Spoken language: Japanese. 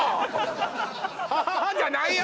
・ハハハ「ハハハ」じゃないよ！